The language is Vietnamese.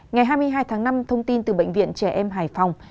ngày hai mươi hai tháng năm thông tin từ bệnh viện trẻ em hải phòng